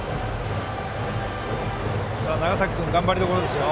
長崎君は頑張りどころですよ。